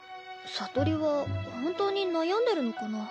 聡里は本当に悩んでるのかな？